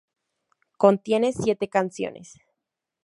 Contiene siete canciones.